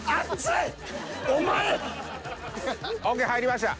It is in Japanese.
ＯＫ入りました。